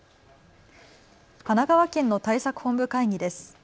神奈川県の対策本部会議です。